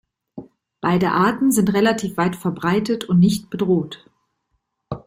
Beide Arten sind relativ weit verbreitet und nicht bedroht.